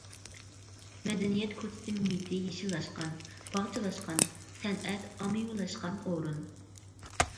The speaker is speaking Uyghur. مەدەنىيەت كوچىسى مۇھىتى يېشىللاشقان، باغچىلاشقان، سەنئەت ئاممىۋىلاشقان ئورۇن.